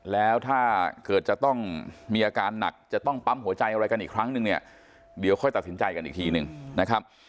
แล้วถ้าเกิดจะต้องมีอาการหนักจะต้องปั๊มหัวใจอะไรกันอีกครั้งนึงเนี่ยเดี๋ยวค่อยตัดสินใจกันอีกทีหนึ่งนะครับ